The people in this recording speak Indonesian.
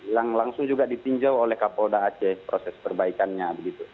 yang langsung juga ditinjau oleh kapolda aceh proses perbaikannya begitu